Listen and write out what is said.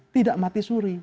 tidak mati suri